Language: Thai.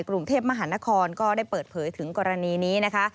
กรุงเทพมหานครก็ได้เปิดเผยถึงกรณีนี้นะคะ